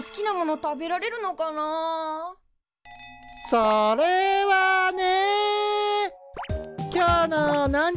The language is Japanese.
それはね。